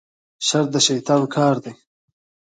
شر د شیطان کار دی